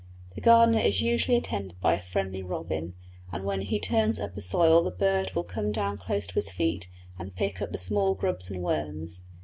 The gardener is usually attended by a friendly robin, and when he turns up the soil the bird will come down close to his feet to pick up the small grubs and worms.